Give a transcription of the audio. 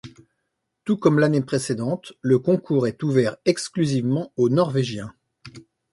Tout comme l'année précédente, le concours est ouvert exclusivement aux Norvégiens.